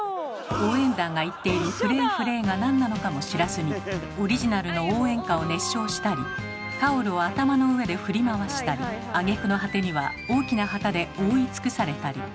応援団が言っている「フレーフレー」が何なのかも知らずにオリジナルの応援歌を熱唱したりタオルを頭の上で振り回したりあげくの果てには大きな旗で覆い尽くされたり。